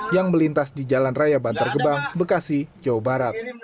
yang melintas di jalan raya bantar gebang bekasi jawa barat